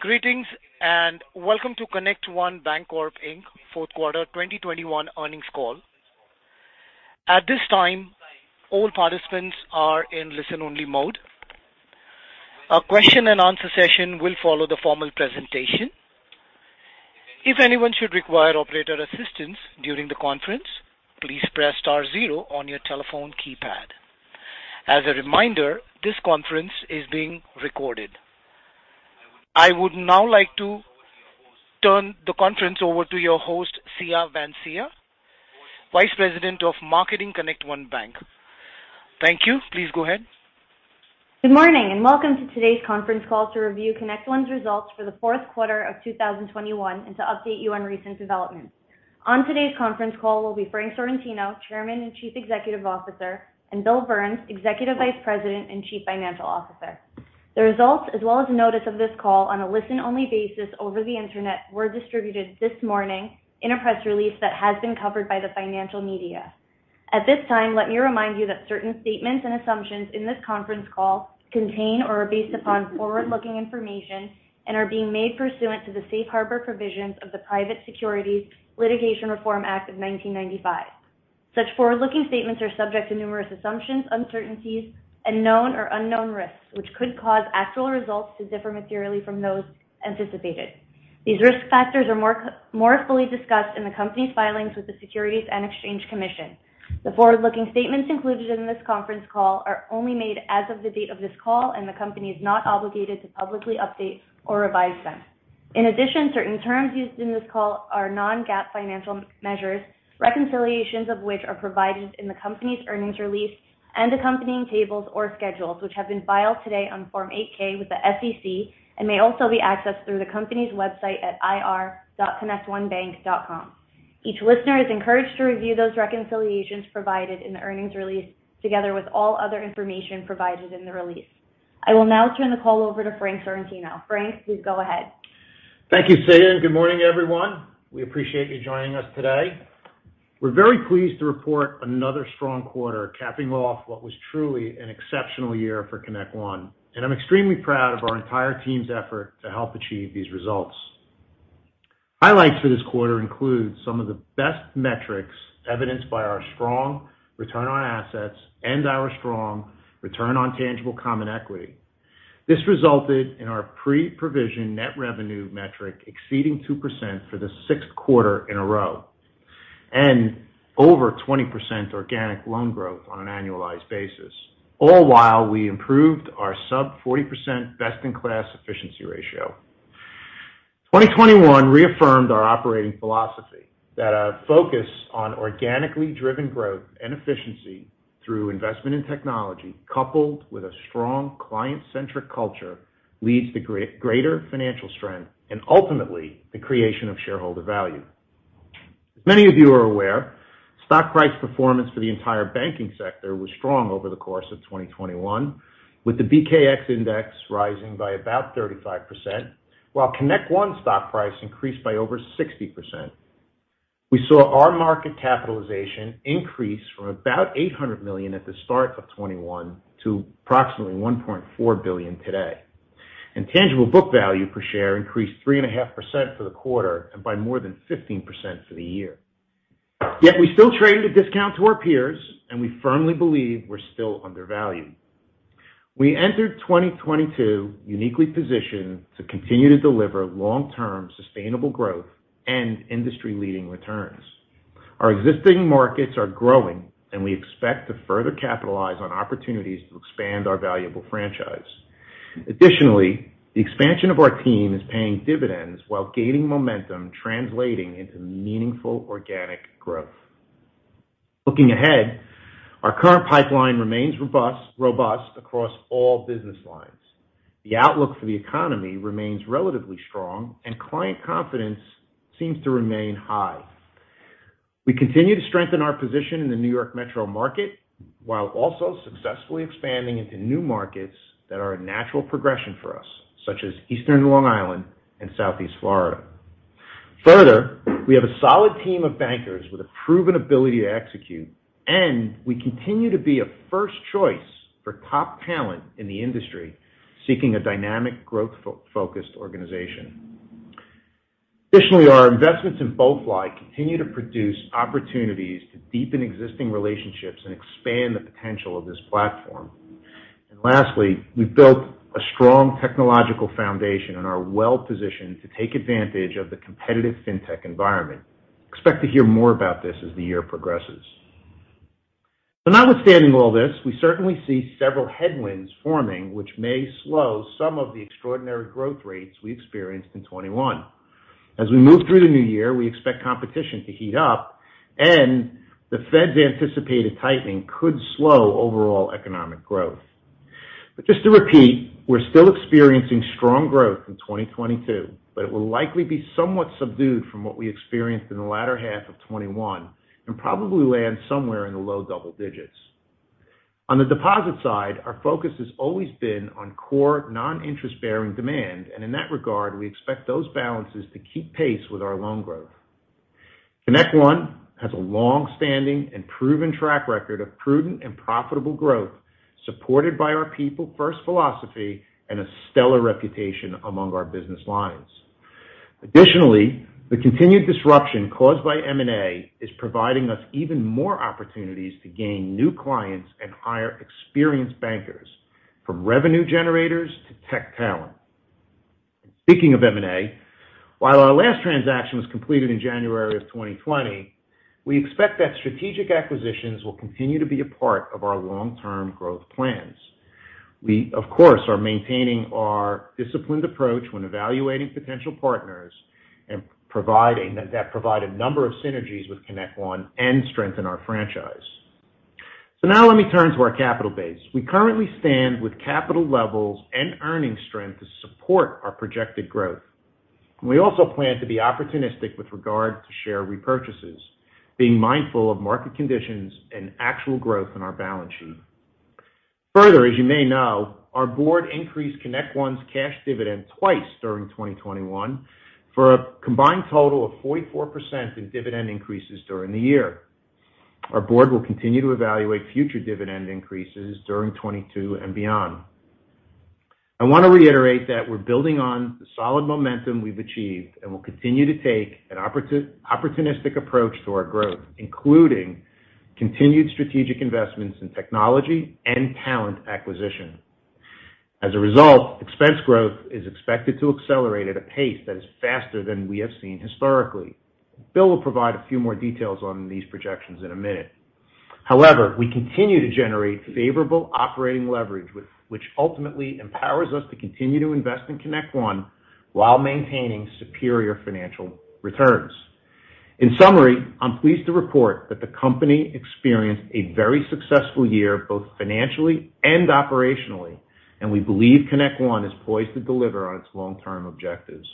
Greetings, and welcome to ConnectOne Bancorp, Inc. fourth quarter 2021 earnings call. At this time, all participants are in listen-only mode. A question and answer session will follow the formal presentation. If anyone should require operator assistance during the conference, please press star zero on your telephone keypad. As a reminder, this conference is being recorded. I would now like to turn the conference over to your host, Siya Vansia, Chief Brand and Innovation Officer ConnectOne Bank. Thank you. Please go ahead. Good morning, and welcome to today's conference call to review ConnectOne's results for the fourth quarter of 2021 and to update you on recent developments. On today's conference call will be Frank Sorrentino, Chairman and Chief Executive Officer, and Bill Burns, Executive Vice President and Chief Financial Officer. The results as well as notice of this call on a listen-only basis over the Internet were distributed this morning in a press release that has been covered by the financial media. At this time, let me remind you that certain statements and assumptions in this conference call contain or are based upon forward-looking information and are being made pursuant to the safe harbor provisions of the Private Securities Litigation Reform Act of 1995. Such forward-looking statements are subject to numerous assumptions, uncertainties, and known or unknown risks, which could cause actual results to differ materially from those anticipated. These risk factors are more fully discussed in the company's filings with the Securities and Exchange Commission. The forward-looking statements included in this conference call are only made as of the date of this call, and the company is not obligated to publicly update or revise them. In addition, certain terms used in this call are non-GAAP financial measures, reconciliations of which are provided in the company's earnings release and accompanying tables or schedules, which have been filed today on Form 8-K with the SEC and may also be accessed through the company's website at ir.connectonebank.com. Each listener is encouraged to review those reconciliations provided in the earnings release together with all other information provided in the release. I will now turn the call over to Frank Sorrentino. Frank, please go ahead. Thank you, Siya, and good morning, everyone. We appreciate you joining us today. We're very pleased to report another strong quarter capping off what was truly an exceptional year for ConnectOne, and I'm extremely proud of our entire team's effort to help achieve these results. Highlights for this quarter include some of the best metrics evidenced by our strong return on assets and our strong return on tangible common equity. This resulted in our pre-provision net revenue metric exceeding 2% for the sixth quarter in a row and over 20% organic loan growth on an annualized basis, all while we improved our sub-40% best-in-class efficiency ratio. 2021 reaffirmed our operating philosophy that a focus on organically driven growth and efficiency through investment in technology coupled with a strong client-centric culture leads to greater financial strength and ultimately the creation of shareholder value. As many of you are aware, stock price performance for the entire banking sector was strong over the course of 2021, with the BKX index rising by about 35%, while ConnectOne stock price increased by over 60%. We saw our market capitalization increase from about $800 million at the start of 2021 to approximately $1.4 billion today. Tangible book value per share increased 3.5% for the quarter and by more than 15% for the year. Yet we still trade at a discount to our peers, and we firmly believe we're still undervalued. We entered 2022 uniquely positioned to continue to deliver long-term sustainable growth and industry-leading returns. Our existing markets are growing, and we expect to further capitalize on opportunities to expand our valuable franchise. Additionally, the expansion of our team is paying dividends while gaining momentum translating into meaningful organic growth. Looking ahead, our current pipeline remains robust across all business lines. The outlook for the economy remains relatively strong, and client confidence seems to remain high. We continue to strengthen our position in the New York Metro market while also successfully expanding into new markets that are a natural progression for us, such as Eastern Long Island and Southeast Florida. Further, we have a solid team of bankers with a proven ability to execute, and we continue to be a first choice for top talent in the industry seeking a dynamic growth focused organization. Additionally, our investments in BoeFly continue to produce opportunities to deepen existing relationships and expand the potential of this platform. Lastly, we've built a strong technological foundation and are well-positioned to take advantage of the competitive fintech environment. Expect to hear more about this as the year progresses. Notwithstanding all this, we certainly see several headwinds forming, which may slow some of the extraordinary growth rates we experienced in 2021. As we move through the new year, we expect competition to heat up, and the Fed's anticipated tightening could slow overall economic growth. Just to repeat, we're still experiencing strong growth in 2022, but it will likely be somewhat subdued from what we experienced in the latter half of 2021 and probably land somewhere in the low double digits. On the deposit side, our focus has always been on core non-interest-bearing demand, and in that regard, we expect those balances to keep pace with our loan growth. ConnectOne has a long-standing and proven track record of prudent and profitable growth, supported by our people first philosophy and a stellar reputation among our business lines. Additionally, the continued disruption caused by M&A is providing us even more opportunities to gain new clients and hire experienced bankers from revenue generators to tech talent. Speaking of M&A, while our last transaction was completed in January of 2020, we expect that strategic acquisitions will continue to be a part of our long-term growth plans. We, of course, are maintaining our disciplined approach when evaluating potential partners that provide a number of synergies with ConnectOne and strengthen our franchise. Now let me turn to our capital base. We currently stand with capital levels and earning strength to support our projected growth. We also plan to be opportunistic with regard to share repurchases, being mindful of market conditions and actual growth in our balance sheet. Further, as you may know, our board increased ConnectOne's cash dividend twice during 2021 for a combined total of 44% in dividend increases during the year. Our board will continue to evaluate future dividend increases during 2022 and beyond. I want to reiterate that we're building on the solid momentum we've achieved and will continue to take an opportunistic approach to our growth, including continued strategic investments in technology and talent acquisition. As a result, expense growth is expected to accelerate at a pace that is faster than we have seen historically. Bill will provide a few more details on these projections in a minute. However, we continue to generate favorable operating leverage with which ultimately empowers us to continue to invest in ConnectOne while maintaining superior financial returns. In summary, I'm pleased to report that the company experienced a very successful year, both financially and operationally, and we believe ConnectOne is poised to deliver on its long-term objectives.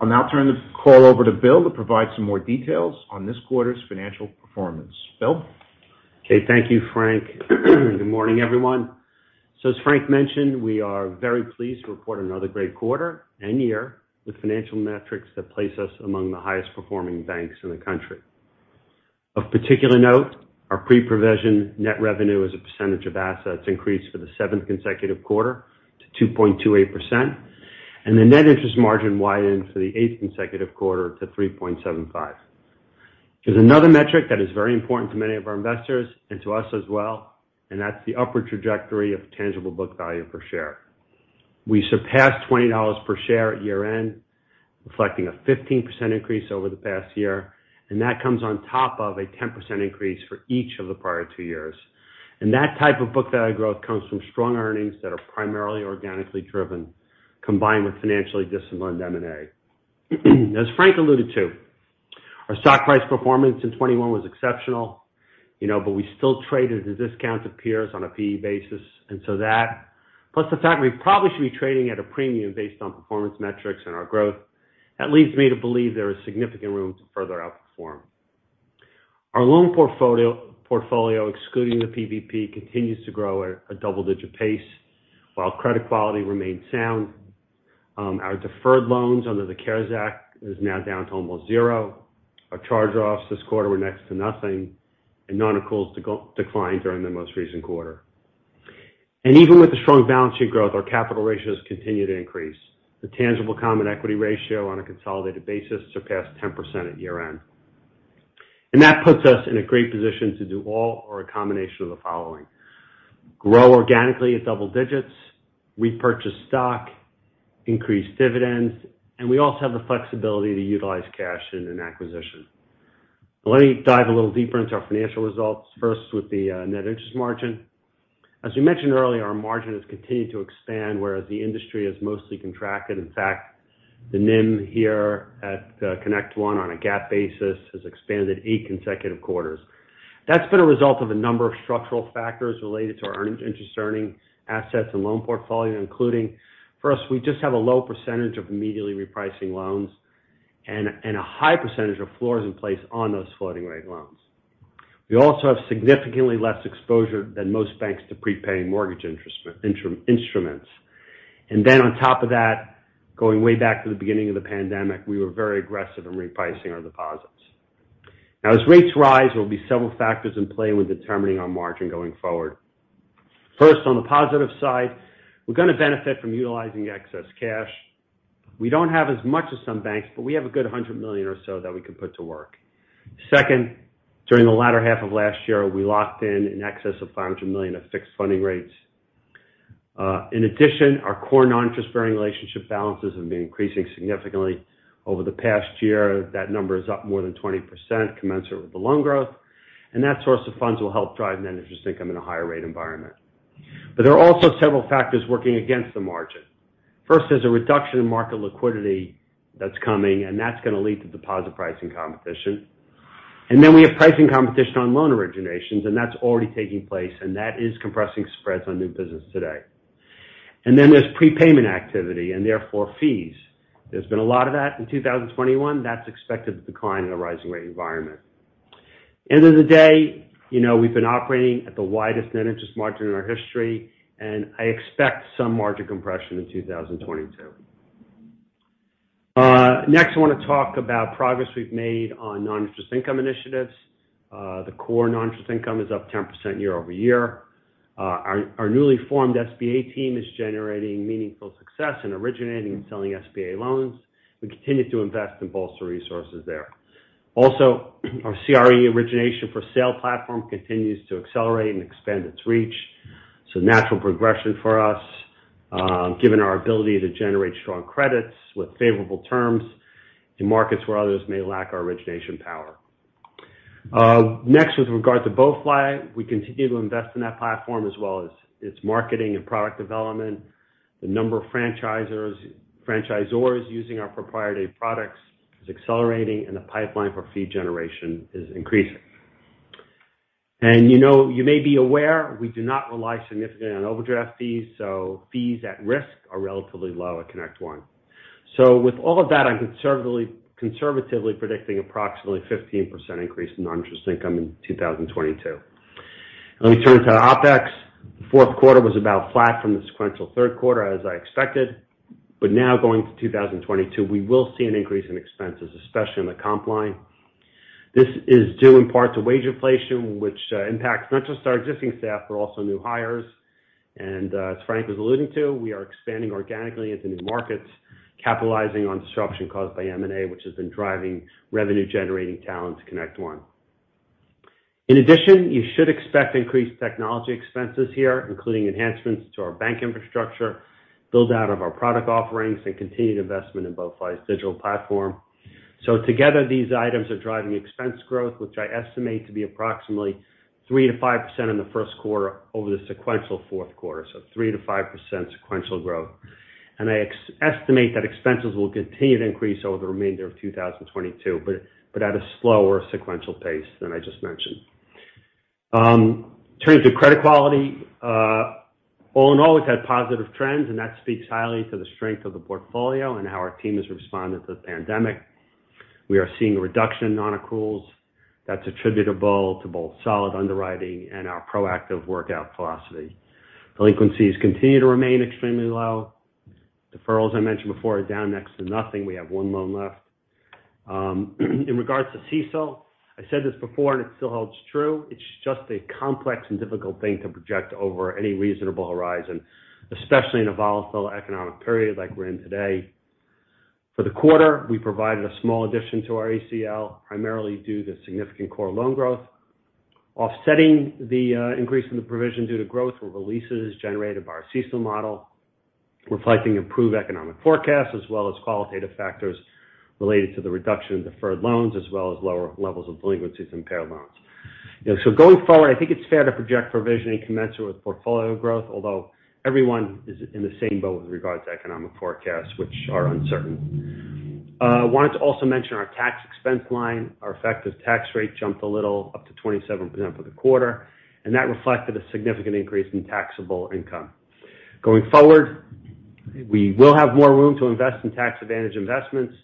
I'll now turn the call over to Bill to provide some more details on this quarter's financial performance. Bill? Okay. Thank you, Frank. Good morning, everyone. As Frank mentioned, we are very pleased to report another great quarter and year with financial metrics that place us among the highest performing banks in the country. Of particular note, our pre-provision net revenue as a percentage of assets increased for the seventh consecutive quarter to 2.28%, and the net interest margin widened for the eighth consecutive quarter to 3.75%. There's another metric that is very important to many of our investors and to us as well, and that's the upward trajectory of tangible book value per share. We surpassed $20 per share at year-end, reflecting a 15% increase over the past year, and that comes on top of a 10% increase for each of the prior two years. That type of book value growth comes from strong earnings that are primarily organically driven, combined with financially disciplined M&A. As Frank alluded to, our stock price performance in 2021 was exceptional, you know, but we still traded at a discount to peers on a PE basis. That, plus the fact that we probably should be trading at a premium based on performance metrics and our growth, leads me to believe there is significant room to further outperform. Our loan portfolio, excluding the PPP, continues to grow at a double-digit pace while credit quality remains sound. Our deferred loans under the CARES Act are now down to almost zero. Our charge-offs this quarter were next to nothing, and nonaccruals declined during the most recent quarter. Even with the strong balance sheet growth, our capital ratios continue to increase. The tangible common equity ratio on a consolidated basis surpassed 10% at year-end. That puts us in a great position to do all or a combination of the following, grow organically at double digits, repurchase stock, increase dividends, and we also have the flexibility to utilize cash in an acquisition. Let me dive a little deeper into our financial results, first with the net interest margin. As we mentioned earlier, our margin has continued to expand, whereas the industry has mostly contracted. In fact, the NIM here at ConnectOne on a GAAP basis has expanded eight consecutive quarters. That's been a result of a number of structural factors related to our earnings, interest earning assets and loan portfolio, including, first, we just have a low percentage of immediately repricing loans and a high percentage of floors in place on those floating-rate loans. We also have significantly less exposure than most banks to prepaying mortgage instruments. Then on top of that, going way back to the beginning of the pandemic, we were very aggressive in repricing our deposits. Now, as rates rise, there will be several factors in play with determining our margin going forward. First, on the positive side, we're going to benefit from utilizing excess cash. We don't have as much as some banks, but we have a good $100 million or so that we can put to work. Second, during the latter half of last year, we locked in excess of $500 million of fixed funding rates. In addition, our core non-interest-bearing relationship balances have been increasing significantly over the past year. That number is up more than 20% commensurate with the loan growth. That source of funds will help drive net interest income in a higher rate environment. There are also several factors working against the margin. First, there's a reduction in market liquidity that's coming, and that's going to lead to deposit pricing competition. Then we have pricing competition on loan originations, and that's already taking place, and that is compressing spreads on new business today. Then there's prepayment activity and therefore fees. There's been a lot of that in 2021. That's expected to decline in a rising rate environment. End of the day, you know, we've been operating at the widest net interest margin in our history, and I expect some margin compression in 2022. Next, I wanna talk about progress we've made on non-interest income initiatives. The core non-interest income is up 10% year-over-year. Our newly formed SBA team is generating meaningful success in originating and selling SBA loans. We continue to invest in bolster resources there. Also, our CRE origination for sale platform continues to accelerate and expand its reach. It's a natural progression for us, given our ability to generate strong credits with favorable terms in markets where others may lack our origination power. Next, with regard to BoeFly, we continue to invest in that platform as well as its marketing and product development. The number of franchisors using our proprietary products is accelerating, and the pipeline for fee generation is increasing. You know, you may be aware we do not rely significantly on overdraft fees, so fees at risk are relatively low at ConnectOne. With all of that, I'm conservatively predicting approximately 15% increase in non-interest income in 2022. Let me turn to OpEx. The fourth quarter was about flat from the sequential third quarter as I expected. Now going to 2022, we will see an increase in expenses, especially in the comp line. This is due in part to wage inflation, which impacts not just our existing staff, but also new hires. As Frank was alluding to, we are expanding organically into new markets, capitalizing on disruption caused by M&A, which has been driving revenue-generating talent to ConnectOne. In addition, you should expect increased technology expenses here, including enhancements to our bank infrastructure, build out of our product offerings, and continued investment in BoeFly's digital platform. Together, these items are driving expense growth, which I estimate to be approximately 3%-5% in the first quarter over the sequential fourth quarter, so 3%-5% sequential growth. I estimate that expenses will continue to increase over the remainder of 2022, but at a slower sequential pace than I just mentioned. Turning to credit quality. All in all, we've had positive trends, and that speaks highly to the strength of the portfolio and how our team has responded to the pandemic. We are seeing a reduction in nonaccruals that's attributable to both solid underwriting and our proactive workout philosophy. Delinquencies continue to remain extremely low. Deferrals, I mentioned before, are down next to nothing. We have one loan left. In regards to CECL, I said this before and it still holds true. It's just a complex and difficult thing to project over any reasonable horizon, especially in a volatile economic period like we're in today. For the quarter, we provided a small addition to our ACL, primarily due to significant core loan growth. Offsetting the increase in the provision due to growth were releases generated by our CECL model, reflecting improved economic forecasts as well as qualitative factors related to the reduction in deferred loans, as well as lower levels of delinquencies in paired loans. You know, going forward, I think it's fair to project provisioning commensurate with portfolio growth. Although everyone is in the same boat with regards to economic forecasts which are uncertain. I wanted to also mention our tax expense line. Our effective tax rate jumped a little up to 27% for the quarter, and that reflected a significant increase in taxable income. Going forward, we will have more room to invest in tax advantage investments,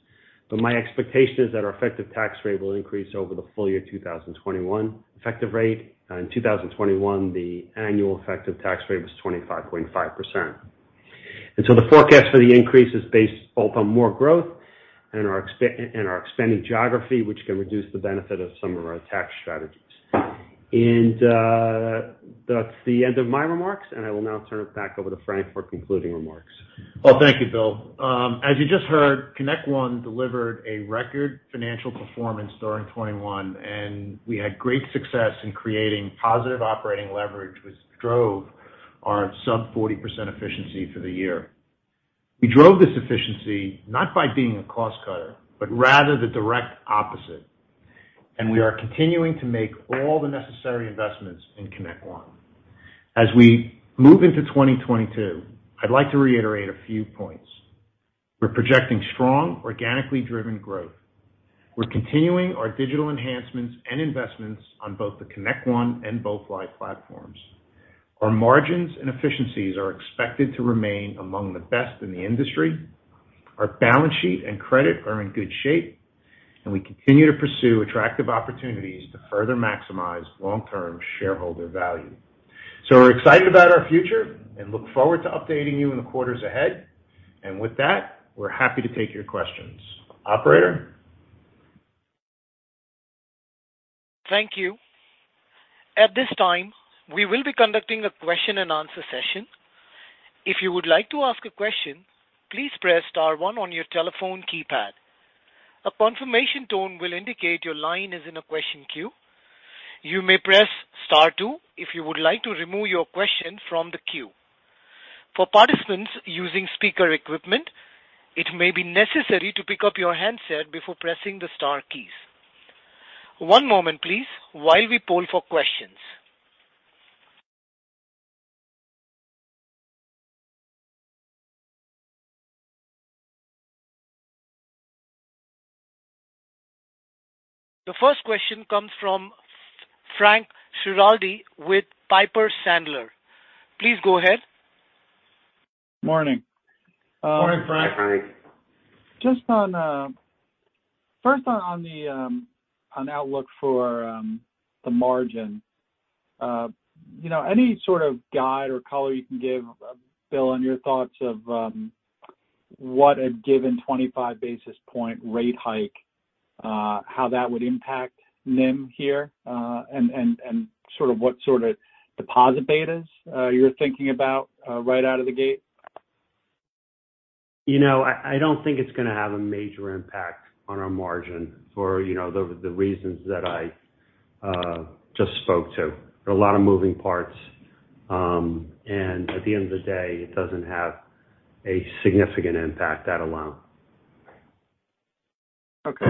but my expectation is that our effective tax rate will increase over the full year 2021 effective rate. In 2021, the annual effective tax rate was 25.5%. The forecast for the increase is based both on more growth and our expanding geography, which can reduce the benefit of some of our tax strategies. That's the end of my remarks, and I will now turn it back over to Frank for concluding remarks. Well, thank you, Bill. As you just heard, ConnectOne delivered a record financial performance during 2021, and we had great success in creating positive operating leverage which drove our sub-40% efficiency for the year. We drove this efficiency not by being a cost cutter, but rather the direct opposite, and we are continuing to make all the necessary investments in ConnectOne. As we move into 2022, I'd like to reiterate a few points. We're projecting strong, organically driven growth. We're continuing our digital enhancements and investments on both the ConnectOne and BoeFly platforms. Our margins and efficiencies are expected to remain among the best in the industry. Our balance sheet and credit are in good shape, and we continue to pursue attractive opportunities to further maximize long-term shareholder value. We're excited about our future and look forward to updating you in the quarters ahead. With that, we're happy to take your questions. Operator? Thank you. At this time, we will be conducting a question and answer session. If you would like to ask a question, please press star one on your telephone keypad. A confirmation tone will indicate your line is in a question queue. You may press star two if you would like to remove your question from the queue. For participants using speaker equipment, it may be necessary to pick up your handset before pressing the star keys. One moment please while we poll for questions. The first question comes from Frank Schiraldi with Piper Sandler. Please go ahead. Morning. Morning, Frank. First on the outlook for the margin. You know, any sort of guide or color you can give, Bill, on your thoughts of what a given 25 basis point rate hike, how that would impact NIM here, and sort of what sort of deposit betas you're thinking about right out of the gate? You know, I don't think it's gonna have a major impact on our margin for, you know, the reasons that I just spoke to. There are a lot of moving parts, and at the end of the day, it doesn't have a significant impact that alone. Okay.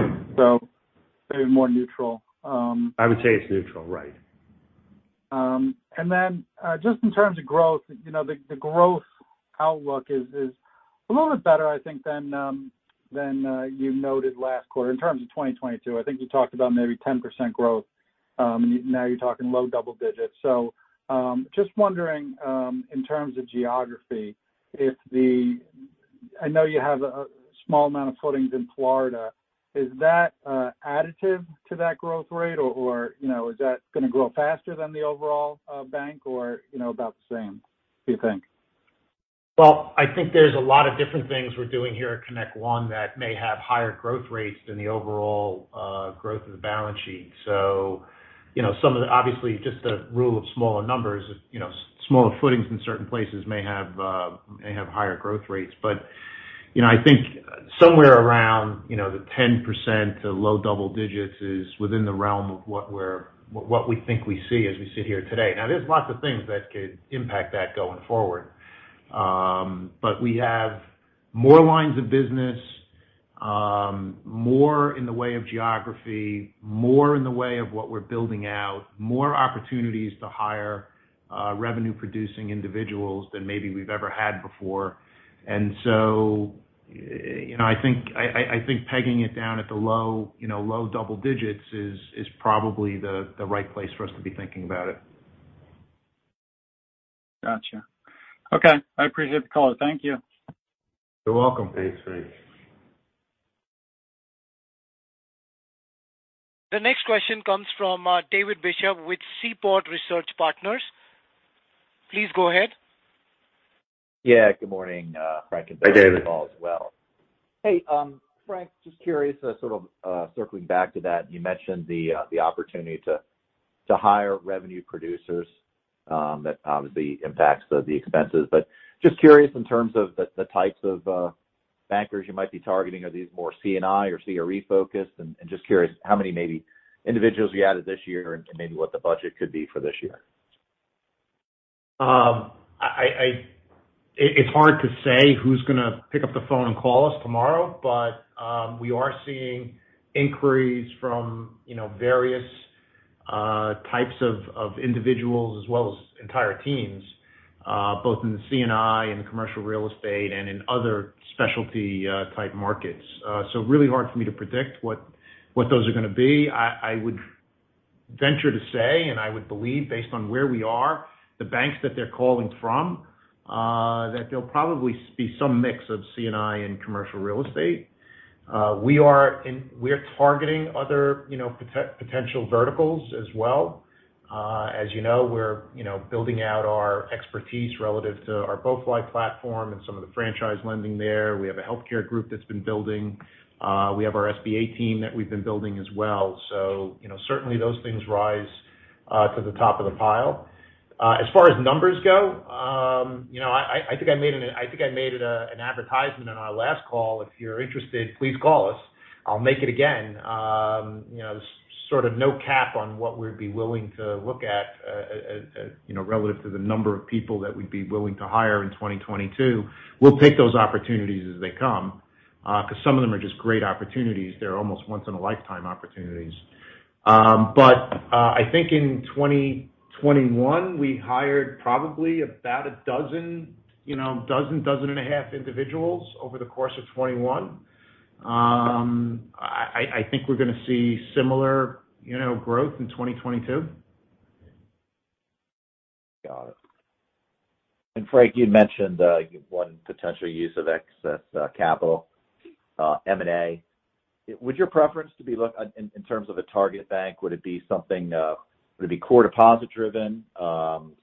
Maybe more neutral. I would say it's neutral, right? Just in terms of growth, you know, the growth outlook is a little bit better, I think, than you noted last quarter. In terms of 2022, I think you talked about maybe 10% growth, and now you're talking low double digits. Just wondering in terms of geography, I know you have a small amount of footings in Florida. Is that additive to that growth rate? Or you know, is that gonna grow faster than the overall bank or you know, about the same, do you think? Well, I think there's a lot of different things we're doing here at ConnectOne that may have higher growth rates than the overall, growth of the balance sheet. You know, obviously, just the rule of smaller numbers, you know, smaller footings in certain places may have higher growth rates. You know, I think somewhere around, you know, the 10% to low double digits is within the realm of what we think we see as we sit here today. Now, there's lots of things that could impact that going forward. We have more lines of business, more in the way of geography, more in the way of what we're building out, more opportunities to hire revenue-producing individuals than maybe we've ever had before. You know, I think pegging it down at the low, you know, low double digits is probably the right place for us to be thinking about it. Gotcha. Okay. I appreciate the call. Thank you. You're welcome, Frank. The next question comes from, David Bishop with Seaport Research Partners. Please go ahead. Yeah. Good morning, Frank. Hey, David. Thanks for the call as well. Hey, Frank, just curious, sort of, circling back to that you mentioned the opportunity to hire revenue producers, that obviously impacts the expenses. But just curious in terms of the types of bankers you might be targeting. Are these more C&I or CRE focused? And just curious how many maybe individuals you added this year and maybe what the budget could be for this year. It's hard to say who's gonna pick up the phone and call us tomorrow, but we are seeing inquiries from, you know, various types of individuals as well as entire teams both in the C&I and commercial real estate and in other specialty type markets. Really hard for me to predict what those are gonna be. I would venture to say, and I would believe based on where we are, the banks that they're calling from, that they'll probably be some mix of C&I and commercial real estate. We are targeting other, you know, potential verticals as well. As you know, we're, you know, building out our expertise relative to our BoeFly platform and some of the franchise lending there. We have a healthcare group that's been building. We have our SBA team that we've been building as well. You know, certainly those things rise to the top of the pile. As far as numbers go, you know, I think I made an advertisement on our last call. If you're interested, please call us. I'll make it again. You know, sort of no cap on what we'd be willing to look at, you know, relative to the number of people that we'd be willing to hire in 2022. We'll take those opportunities as they come, 'cause some of them are just great opportunities. They're almost once in a lifetime opportunities. I think in 2021, we hired probably about a dozen, you know, dozen and a half individuals over the course of 2021. I think we're gonna see similar, you know, growth in 2022. Got it. Frank, you'd mentioned one potential use of excess capital, M&A. Would your preference be, in terms of a target bank, would it be something, would it be core deposit driven,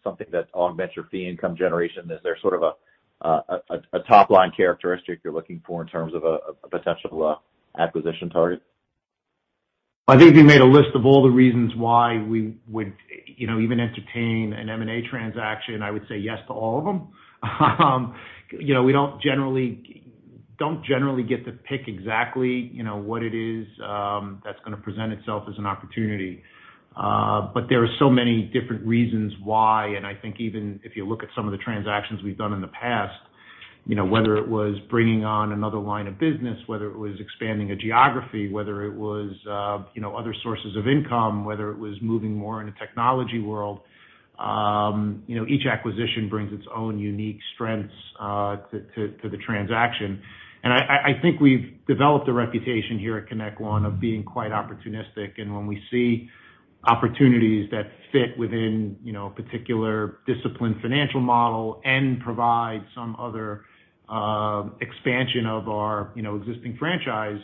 something that's on noninterest fee income generation? Is there sort of a top line characteristic you're looking for in terms of a potential acquisition target? I think we made a list of all the reasons why we would, you know, even entertain an M&A transaction. I would say yes to all of them. You know, we don't generally get to pick exactly, you know, what it is that's gonna present itself as an opportunity. But there are so many different reasons why, and I think even if you look at some of the transactions we've done in the past, you know, whether it was bringing on another line of business, whether it was expanding a geography, whether it was, you know, other sources of income, whether it was moving more in a technology world, you know, each acquisition brings its own unique strengths to the transaction. I think we've developed a reputation here at ConnectOne of being quite opportunistic. When we see opportunities that fit within, you know, a particular disciplined financial model and provide some other, expansion of our, you know, existing franchise.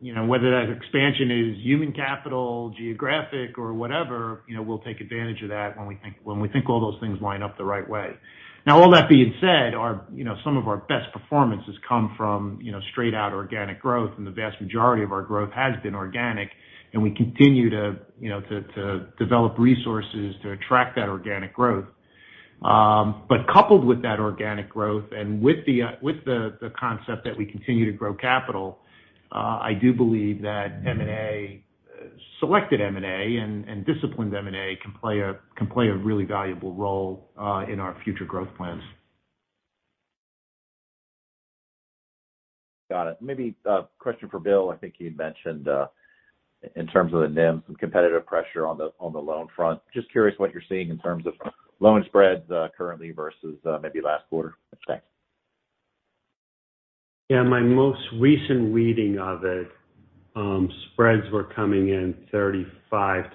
You know, whether that expansion is human capital, geographic or whatever, you know, we'll take advantage of that when we think all those things line up the right way. Now, all that being said, our, you know, some of our best performances come from, you know, straight out organic growth, and the vast majority of our growth has been organic, and we continue to, you know, develop resources to attract that organic growth. Coupled with that organic growth and with the concept that we continue to grow capital, I do believe that M&A, selected M&A and disciplined M&A can play a really valuable role in our future growth plans. Got it. Maybe a question for Bill. I think you mentioned, in terms of the NIM, some competitive pressure on the loan front. Just curious what you're seeing in terms of loan spreads, currently versus maybe last quarter. Thanks. Yeah. My most recent reading of it, spreads were coming in 35-50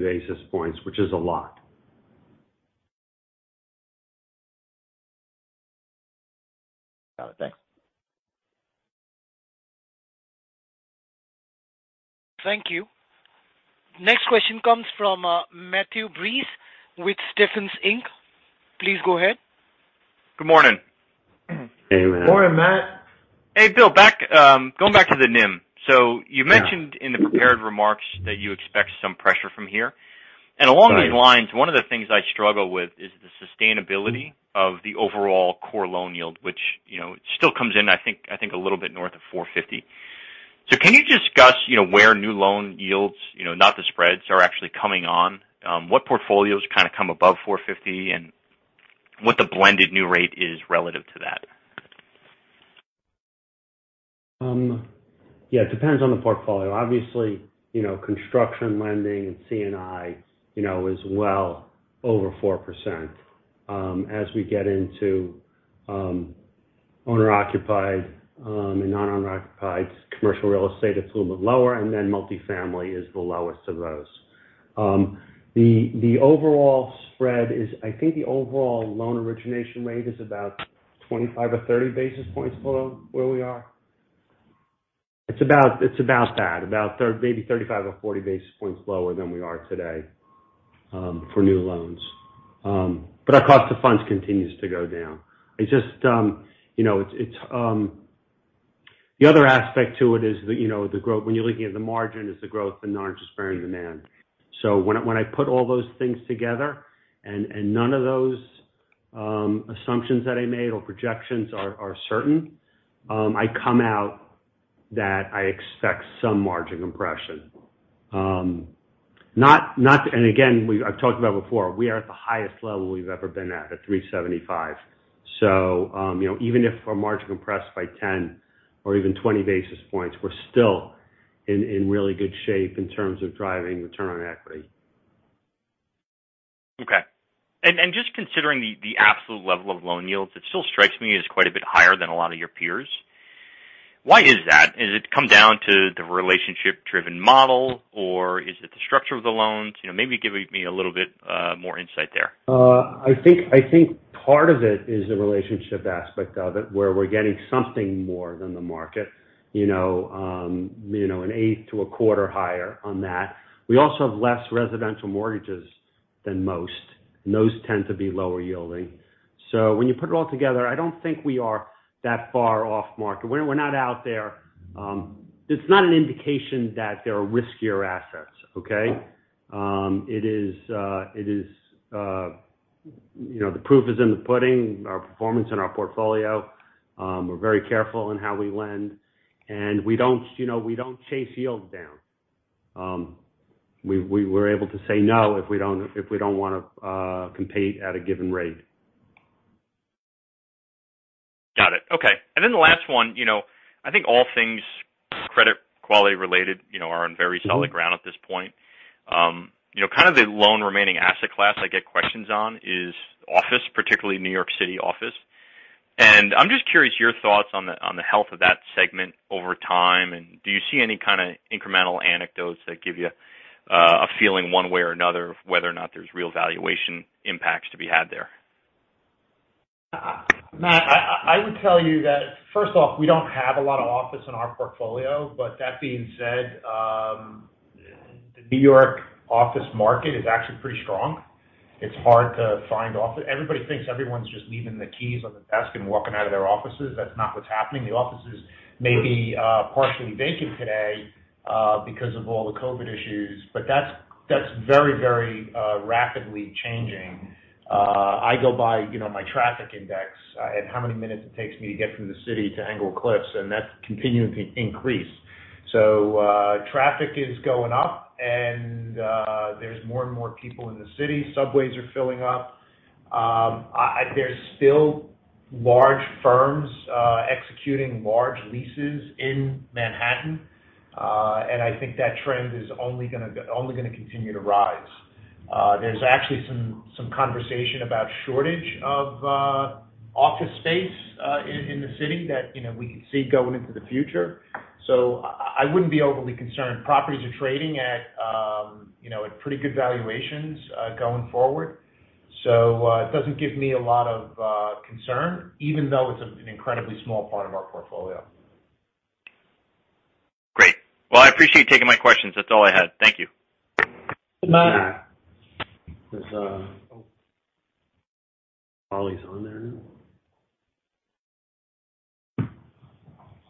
basis points, which is a lot. Got it. Thanks. Thank you. Next question comes from Matthew Breese with Stephens Inc. Please go ahead. Good morning. Hey, Matt. Morning, Matt. Hey, Bill. Going back to the NIM. You mentioned in the prepared remarks that you expect some pressure from here. Right. Along these lines, one of the things I struggle with is the sustainability of the overall core loan yield, which, you know, still comes in, I think, a little bit north of 4.50%. So can you discuss, you know, where new loan yields, you know, not the spreads, are actually coming on? What portfolios kind of come above 4.50% and what the blended new rate is relative to that? Yeah, it depends on the portfolio. Obviously, you know, construction lending and C&I, you know, is well over 4%. As we get into owner-occupied and non-owner occupied commercial real estate, it's a little bit lower, and then multifamily is the lowest of those. The overall spread is. I think the overall loan origination rate is about 25 or 30 basis points below where we are. It's about that. About thirty-five or forty basis points lower than we are today, for new loans. But our cost of funds continues to go down. It just, you know, it's. The other aspect to it is that, you know, the growth when you're looking at the margin is the growth in non-interest bearing demand. When I put all those things together and none of those assumptions that I made or projections are certain, I come out that I expect some margin compression. Again, we've talked about before, we are at the highest level we've ever been at 3.75%. You know, even if our margin compressed by 10 or even 20 basis points, we're still in really good shape in terms of driving return on equity. Okay. Just considering the absolute level of loan yields, it still strikes me as quite a bit higher than a lot of your peers. Why is that? Does it come down to the relationship driven model, or is it the structure of the loans? You know, maybe give me a little bit more insight there. I think part of it is the relationship aspect of it, where we're getting something more than the market. You know, you know, an eighth to a quarter higher on that. We also have less residential mortgages than most, and those tend to be lower yielding. So when you put it all together, I don't think we are that far off market. We're not out there. It's not an indication that there are riskier assets, okay? It is, you know, the proof is in the pudding. Our performance in our portfolio, we're very careful in how we lend, and we don't, you know, we don't chase yields down. We are able to say no if we don't wanna compete at a given rate. Got it. Okay. Then the last one, you know, I think all things credit quality related, you know, are on very solid ground at this point. You know, kind of the loan remaining asset class I get questions on is office, particularly New York City office. I'm just curious your thoughts on the health of that segment over time. Do you see any kind of incremental anecdotes that give you a feeling one way or another of whether or not there's real valuation impacts to be had there? Matt, I would tell you that, first off, we don't have a lot of office in our portfolio. That being said, the New York office market is actually pretty strong. It's hard to find office. Everybody thinks everyone's just leaving the keys on the desk and walking out of their offices. That's not what's happening. The offices may be partially vacant today because of all the COVID issues, but that's very rapidly changing. I go by, you know, my traffic index and how many minutes it takes me to get from the city to Englewood Cliffs, and that's continuing to increase. Traffic is going up, and there's more and more people in the city. Subways are filling up. There's still large firms executing large leases in Manhattan. I think that trend is only gonna continue to rise. There's actually some conversation about shortage of office space in the city that, you know, we could see going into the future. I wouldn't be overly concerned. Properties are trading at, you know, at pretty good valuations going forward. It doesn't give me a lot of concern, even though it's an incredibly small part of our portfolio. Great. Well, I appreciate you taking my questions. That's all I had. Thank you. Good night. Thanks, Matthew. There's Oli's on there now.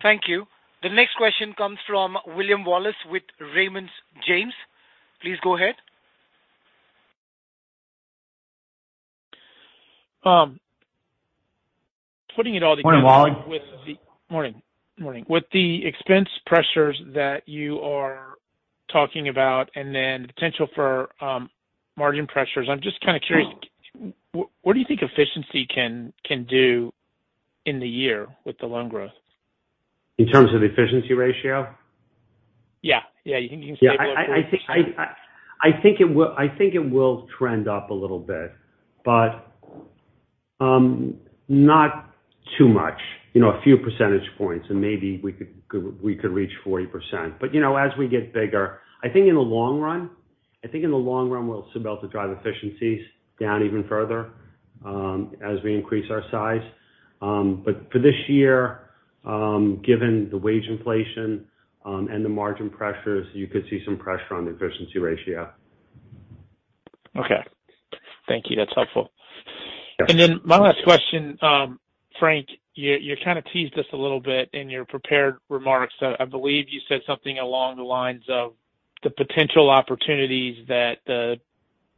Thank you. The next question comes from William Wallace with Raymond James. Please go ahead. Putting it all together. Morning, Wally. Morning, morning. With the expense pressures that you are talking about, and then the potential for margin pressures, I'm just kinda curious, what do you think efficiency can do in the year with the loan growth? In terms of efficiency ratio? Yeah. You think you can stay above 40%? Yeah. I think it will trend up a little bit, but not too much. You know, a few percentage points, and maybe we could reach 40%. You know, as we get bigger. I think in the long run, we'll still be able to drive efficiencies down even further, as we increase our size. For this year, given the wage inflation and the margin pressures, you could see some pressure on the efficiency ratio. Okay. Thank you. That's helpful. Yeah. My last question, Frank, you kinda teased us a little bit in your prepared remarks. I believe you said something along the lines of the potential opportunities that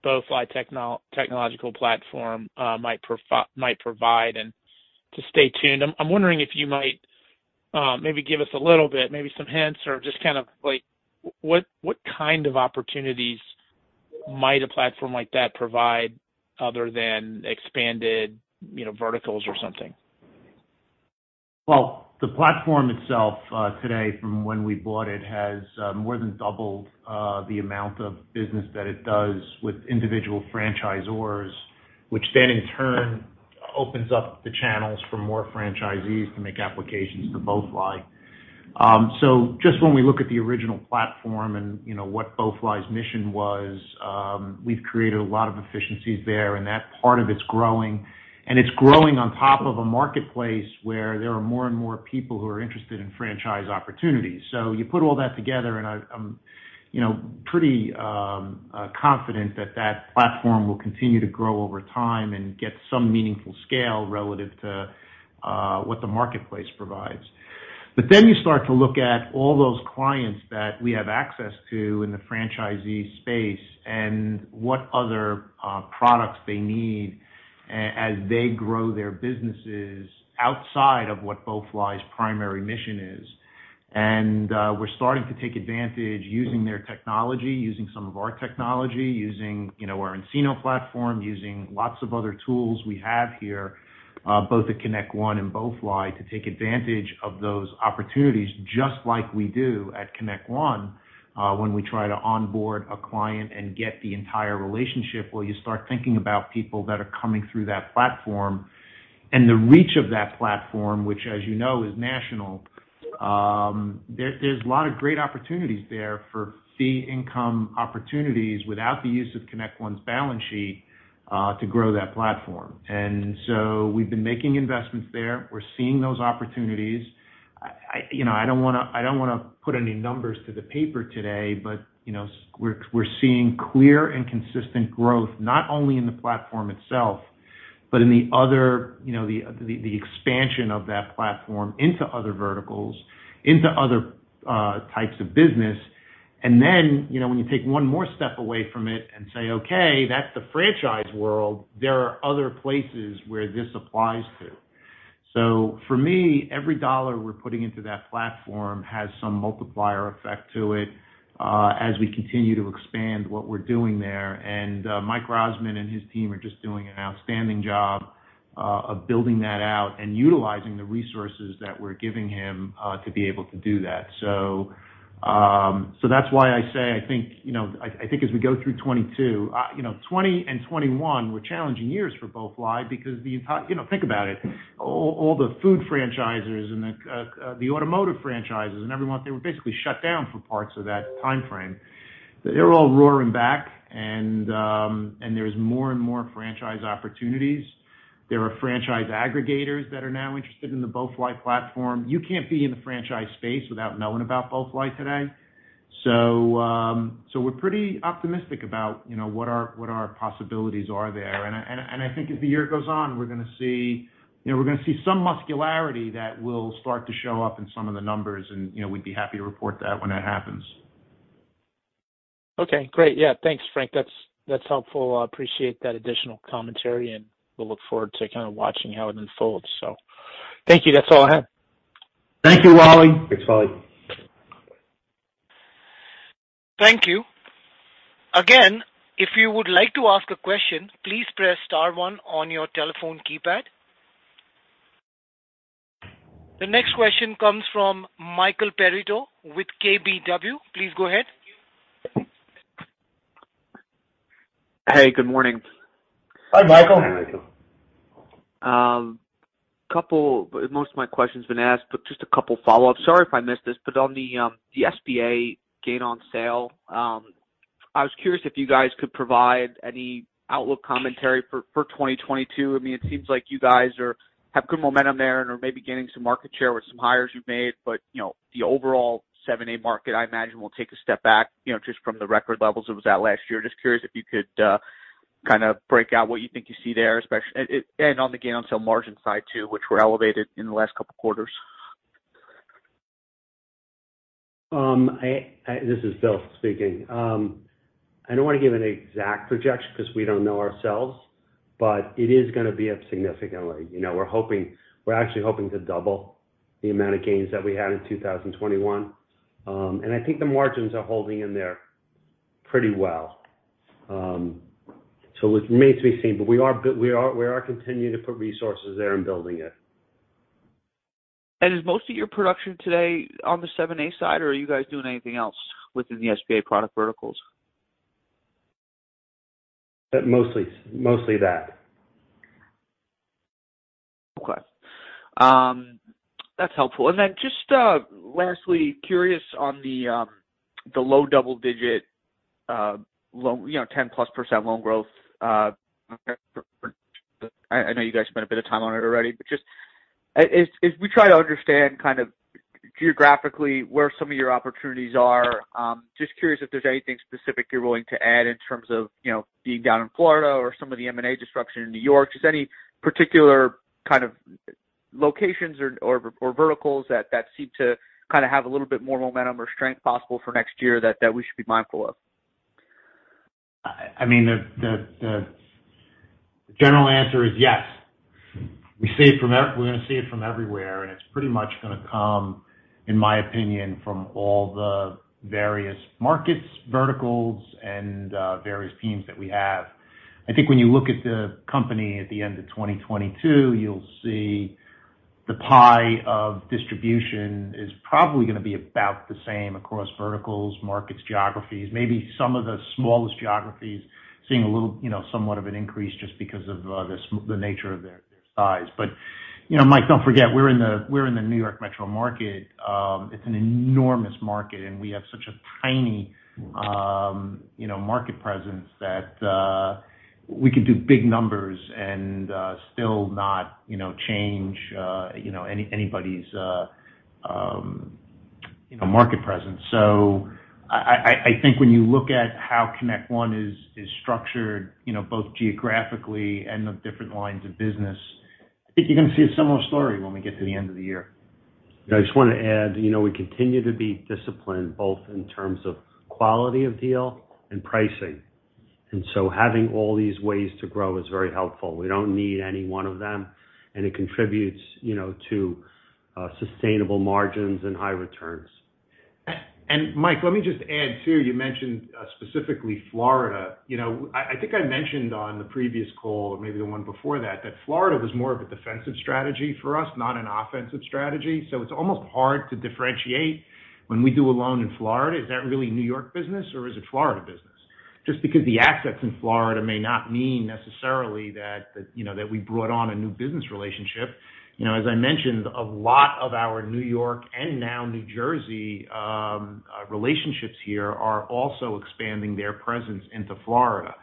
BoeFly technological platform might provide and to stay tuned. I'm wondering if you might maybe give us a little bit, maybe some hints or just kind of like what kind of opportunities might a platform like that provide other than expanded, you know, verticals or something? Well, the platform itself, today from when we bought it has more than doubled the amount of business that it does with individual franchisors, which then in turn opens up the channels for more franchisees to make applications to BoeFly. Just when we look at the original platform and, you know, what BoeFly's mission was, we've created a lot of efficiencies there, and that part of it's growing. It's growing on top of a marketplace where there are more and more people who are interested in franchise opportunities. You put all that together, and I'm, you know, pretty confident that that platform will continue to grow over time and get some meaningful scale relative to what the marketplace provides. You start to look at all those clients that we have access to in the franchisee space and what other products they need as they grow their businesses outside of what BoeFly's primary mission is. We're starting to take advantage using their technology, using some of our technology, using, you know, our nCino platform, using lots of other tools we have here, both at ConnectOne and BoeFly to take advantage of those opportunities just like we do at ConnectOne, when we try to onboard a client and get the entire relationship where you start thinking about people that are coming through that platform. The reach of that platform, which as you know, is national, there's a lot of great opportunities there for fee income opportunities without the use of ConnectOne's balance sheet, to grow that platform. We've been making investments there. We're seeing those opportunities. You know, I don't wanna put any numbers to the paper today, but you know, we're seeing clear and consistent growth, not only in the platform itself, but in the other, you know, the expansion of that platform into other verticals, into other types of business. You know, when you take one more step away from it and say, "Okay, that's the franchise world," there are other places where this applies to. For me, every dollar we're putting into that platform has some multiplier effect to it, as we continue to expand what we're doing there. Mike Rozman and his team are just doing an outstanding job of building that out and utilizing the resources that we're giving him to be able to do that. That's why I say I think, you know, I think as we go through 2022, you know, 20 and 2021 were challenging years for BoeFly because. You know, think about it, all the food franchisers and the automotive franchisers and everyone, they were basically shut down for parts of that timeframe. They're all roaring back and there's more and more franchise opportunities. There are franchise aggregators that are now interested in the BoeFly platform. You can't be in the franchise space without knowing about BoeFly today. We're pretty optimistic about, you know, what our possibilities are there. I think as the year goes on, we're gonna see, you know, some muscularity that will start to show up in some of the numbers and, you know, we'd be happy to report that when that happens. Okay, great. Yeah. Thanks, Frank. That's, that's helpful. I appreciate that additional commentary, and we'll look forward to kinda watching how it unfolds. Thank you. That's all I have. Thank you, Wally. Thanks, Wally. Thank you. Again, if you would like to ask a question, please press star one on your telephone keypad. The next question comes from Michael Perito with KBW. Please go ahead. Hey, good morning. Hi, Michael. Hi, Michael. Most of my question's been asked, but just a couple follow-ups. Sorry if I missed this, but on the SBA gain on sale, I was curious if you guys could provide any outlook commentary for 2022. I mean, it seems like you guys have good momentum there and are maybe gaining some market share with some hires you've made. But you know, the overall 7(a) market, I imagine, will take a step back, you know, just from the record levels it was at last year. Just curious if you could kinda break out what you think you see there, especially, and on the gain on sale margin side too, which were elevated in the last couple quarters. This is Bill speaking. I don't wanna give an exact projection because we don't know ourselves, but it is gonna be up significantly. You know, we're hoping, we're actually hoping to double the amount of gains that we had in 2021. I think the margins are holding in there pretty well. It remains to be seen. We are continuing to put resources there and building it. Is most of your production today on the 7(a) side, or are you guys doing anything else within the SBA product verticals? Mostly that. Okay. That's helpful. Just lastly curious on the low double-digit, you know, 10%+ loan growth for. I know you guys spent a bit of time on it already. Just as we try to understand kind of geographically where some of your opportunities are, just curious if there's anything specific you're willing to add in terms of, you know, being down in Florida or some of the M&A disruption in New York. Just any particular kind of locations or verticals that seem to kinda have a little bit more momentum or strength possible for next year that we should be mindful of. I mean, the general answer is yes. We're gonna see it from everywhere, and it's pretty much gonna come, in my opinion, from all the various markets, verticals, and various teams that we have. I think when you look at the company at the end of 2022, you'll see the pie of distribution is probably gonna be about the same across verticals, markets, geographies. Maybe some of the smallest geographies seeing a little, you know, somewhat of an increase just because of the nature of their size. You know, Mike, don't forget, we're in the New York metro market. It's an enormous market, and we have such a tiny, you know, market presence that we could do big numbers and still not, you know, change, you know, anybody's, you know, market presence. I think when you look at how ConnectOne is structured, you know, both geographically and the different lines of business, I think you're gonna see a similar story when we get to the end of the year. I just wanna add, you know, we continue to be disciplined, both in terms of quality of deal and pricing. Having all these ways to grow is very helpful. We don't need any one of them, and it contributes, you know, to sustainable margins and high returns. Mike, let me just add, too, you mentioned specifically Florida. You know, I think I mentioned on the previous call, or maybe the one before that Florida was more of a defensive strategy for us, not an offensive strategy. It's almost hard to differentiate when we do a loan in Florida. Is that really New York business or is it Florida business? Just because the asset's in Florida may not mean necessarily that you know that we brought on a new business relationship. You know, as I mentioned, a lot of our New York and now New Jersey relationships here are also expanding their presence into Florida.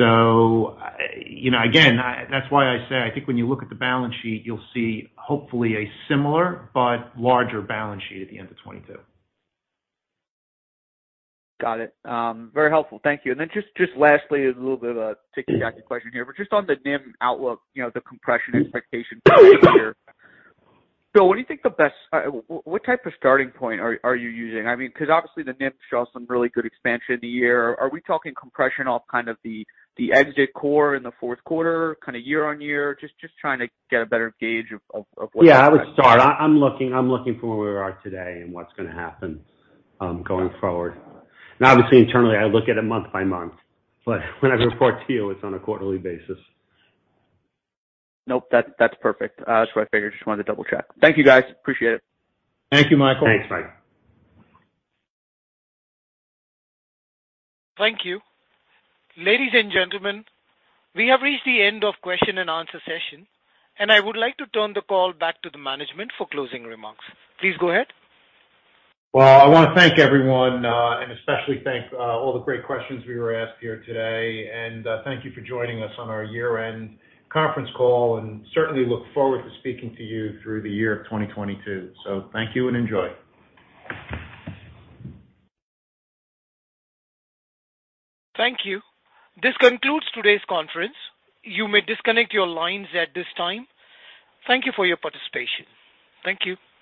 You know, again, I think that's why I say I think when you look at the balance sheet, you'll see hopefully a similar but larger balance sheet at the end of 2022. Got it. Very helpful. Thank you. Then just lastly, as a little bit of a tick-tack question here. Just on the NIM outlook, you know, the compression expectation for next year. Bill, what do you think the best—what type of starting point are you using? I mean, 'cause obviously the NIM shows some really good expansion of the year. Are we talking compression off kind of the exit core in the fourth quarter, kinda year on year? Just trying to get a better gauge of what- Yeah, I would start. I'm looking from where we are today and what's gonna happen going forward. Obviously, internally, I look at it month by month. When I report to you, it's on a quarterly basis. Nope. That, that's perfect. That's what I figured. Just wanted to double-check. Thank you, guys. Appreciate it. Thank you, Michael. Thanks, Mike. Thank you. Ladies and gentlemen, we have reached the end of question and answer session, and I would like to turn the call back to the management for closing remarks. Please go ahead. Well, I wanna thank everyone and especially thank all the great questions we were asked here today. Thank you for joining us on our year-end conference call, and certainly look forward to speaking to you through the year of 2022. Thank you and enjoy. Thank you. This concludes today's conference. You may disconnect your lines at this time. Thank you for your participation. Thank you.